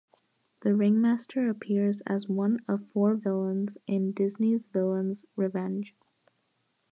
The Ringmaster appears as one of four villains in "Disney's Villains' Revenge".